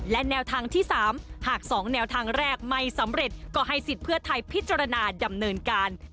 และแนวทางที่๓หาก๒แนวทางแรกไม่สำเร็จก็ให้สิทธิ์เพื่อไทยพิจารณาดำเนินการ